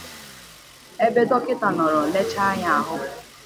ebe Dọkịta nọrọ lelechaa ya ahụ